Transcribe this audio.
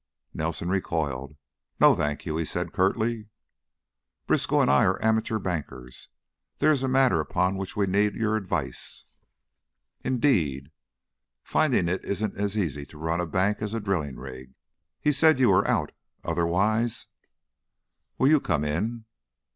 Nelson recoiled. "No, thank you!" he said, curtly. "Briskow and I are amateur bankers; there is a matter upon which we need your advice." "Indeed? Finding it isn't as easy to run a bank as a drilling rig? He said you were out, otherwise " "Will you come in?"